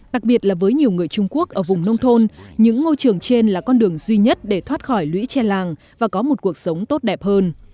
đặc biệt là với nhiều người trung quốc ở vùng nông thôn những ngôi trường trên là con đường duy nhất để thoát khỏi lũy che làng và có một cuộc sống tốt đẹp hơn